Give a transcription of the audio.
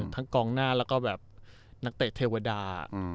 กองหน้าแล้วก็แบบนักเตะเทวดา